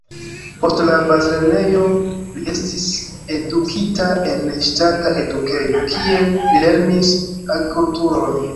Post la bazlernejo li estis edukita en ŝtata edukejo, kie li lernis agrikulturon.